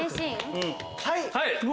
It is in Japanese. はい！